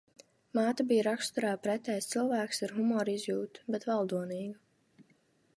Māte bija raksturā pretējs cilvēks - ar humora izjūtu, bet valdonīga.